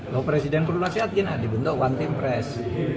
kalau presiden perlu nasihat gina dibentuk one team press